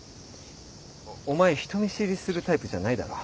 お前人見知りするタイプじゃないだろ。